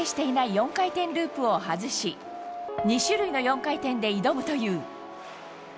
４回転ループを外し２種類の４回転で挑むという。